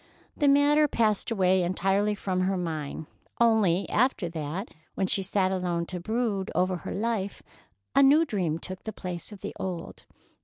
The matter passed entirely from her mind, only, after that, when she sat alone to brood over her life, a new dream took the place of the old.